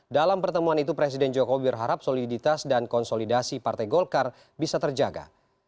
dalam pertemuan itu presiden jokowi berharap soliditas dan konsolidasi partai golkar bisa terjaga